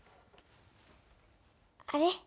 あれ？